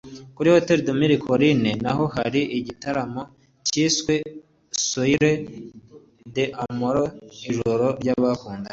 Kuri Hotel de Mille Collines naho hari igitaramo cyiswe soirée des amoureux(ijoro ry’abakundana)